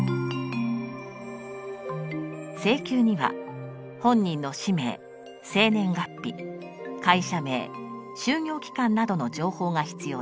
請求には本人の氏名生年月日会社名就業期間などの情報が必要です。